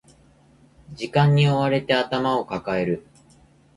時間に追われて頭を抱える